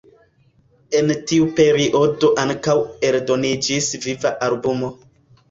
En tiu periodo ankaŭ eldoniĝis viva albumo.